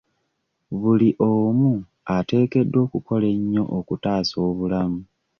Buli omu ateekeddwa okukola ennyo okutaasa obulamu .